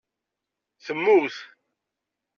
Temmut